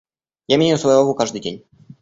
Я меняю свою аву каждый день.